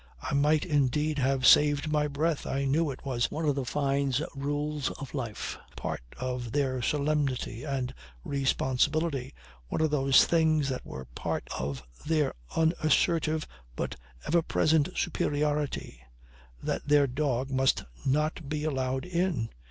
I might indeed have saved my breath, I knew it was one of the Fynes' rules of life, part of their solemnity and responsibility, one of those things that were part of their unassertive but ever present superiority, that their dog must not be allowed in.